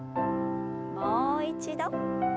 もう一度。